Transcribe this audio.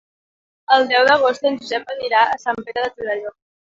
El deu d'agost en Josep anirà a Sant Pere de Torelló.